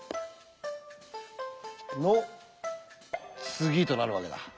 「３」はとなるわけだ。